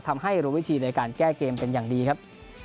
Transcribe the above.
ทำให้รู้วิธีในการแก้เกมเป็นอย่างดีครับ